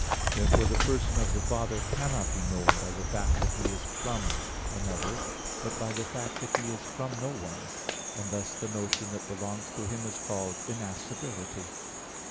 Therefore the Person of the Father cannot be known by the fact that He is from another; but by the fact that He is from no one; and thus the notion that belongs to Him is called "innascibility."